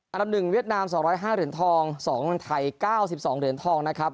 อันดับ๑เวียดนาม๒๐๕เหรียญทอง๒ไทย๙๒เหรียญทองนะครับ